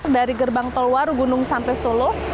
dari gerbang tolwaru gunung sampai solo